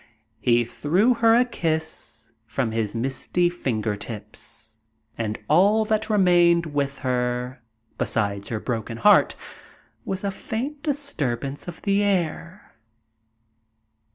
He threw her a kiss from his misty finger tips, and all that remained with her, besides her broken heart, was a faint disturbance of the air.